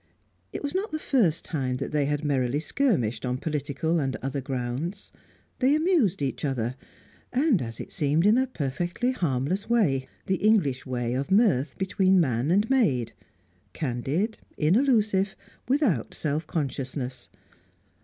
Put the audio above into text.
It was not the first time that they had merrily skirmished on political and other grounds; they amused each other, and, as it seemed, in a perfectly harmless way; the English way of mirth between man and maid, candid, inallusive, without self consciousness.